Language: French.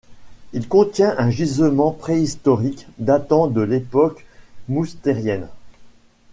Il contient un gisement préhistorique datant de l'époque moustérienne.